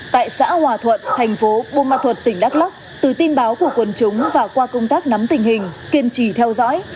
tại xã hòa thuận thành phố bô ma thuật tỉnh đắk lắk từ tin báo của quân chúng và qua công tác nắm tình hình kiên trì theo dõi